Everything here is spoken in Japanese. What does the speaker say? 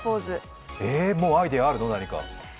もうアイデアあるの、何か？